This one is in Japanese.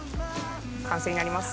完成になります。